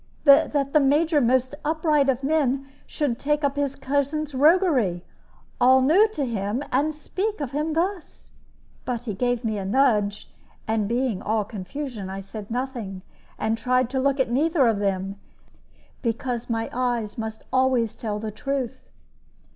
That the Major, most upright of men, should take up his cousin's roguery all new to him and speak of him thus! But he gave me a nudge; and being all confusion, I said nothing, and tried to look at neither of them, because my eyes must always tell the truth.